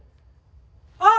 あっ。